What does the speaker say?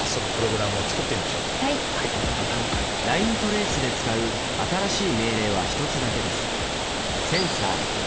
ライントレースで使う新しい命令は１つだけです。